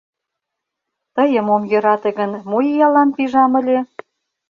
Тыйым ом йӧрате гын, мо иялан пижам ыле?